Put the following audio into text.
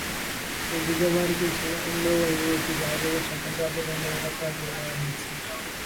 এদিকে মার্কিন নৌবাহিনীর একটি জাহাজ অনুসন্ধান কার্যক্রম থেকে প্রত্যাহার করে নেওয়া হচ্ছে।